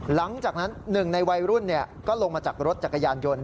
หลังจากนั้นหนึ่งในวัยรุ่นก็ลงมาจากรถจักรยานยนต์